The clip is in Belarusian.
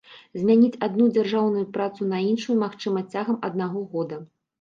Змяніць адну дзяржаўную працу на іншую магчыма цягам аднаго года.